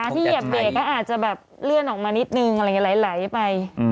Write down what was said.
เหยียบเบรกก็อาจจะแบบเลื่อนออกมานิดนึงอะไรอย่างนี้ไหลไป